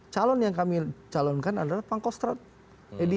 calon yang kami calonkan adalah pak kostrad